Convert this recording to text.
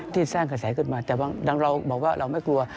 สร้างกระแสขึ้นมาแต่ดังเราบอกว่าเราไม่กลัว